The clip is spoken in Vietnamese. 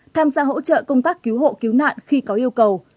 tham gia hỗ trợ công tác cứu hộ cứu nạn khi có yêu cầu